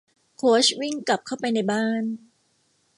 โค้ชวิ่งกลับเข้าไปในบ้าน